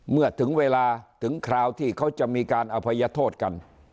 เมื่อถึงเวลาถึงคราวที่เขาจะมีการอภัยโทษกัน